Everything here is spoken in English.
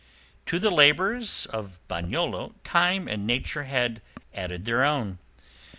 To the labours of Bagnolo, Time and Nature had added their own.